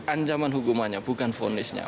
ancaman hukumannya bukan fonisnya